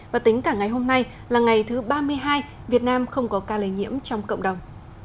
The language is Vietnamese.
và tính cả ngày hôm nay là ngày thứ ba mươi hai việt nam không có ca lây nhiễm trong cộng đồng